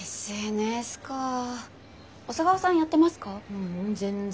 ううん全然。